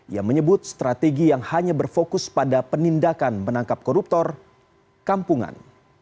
ia menyebut strategi yang hanya berfokus pada penindakan menangkap koruptor kampungan